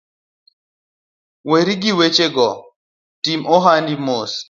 Weri gi wechego, tim ohandi mos